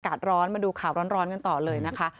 ร้อนมาดูข่าวร้อนกันต่อเลยนะคะ